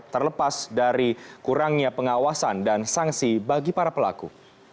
terlepas dari kurangnya pengawasan dan sanksi bagi para pelaku